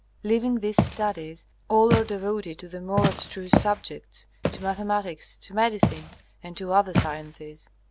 Leaving these studies all are devoted to the more abstruse subjects, to mathematics, to medicine, and to other sciences.